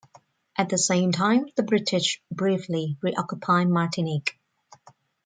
At the same time the British briefly re-occupied Martinique.